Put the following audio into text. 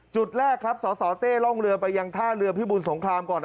จุดแรกครับสสเต้ร่องเรือไปยังท่าเรือพิบูรสงครามก่อน